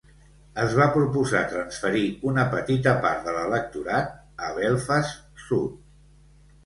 Es va proposar transferir una petita part de l'electorat a Belfast Sud.